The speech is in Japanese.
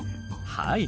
はい。